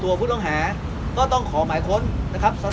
ตัวผู้ต้องหาก็ต้องขอหมายค้นนะครับ